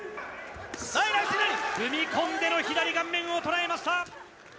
踏み込んでの左顔面を捉えました。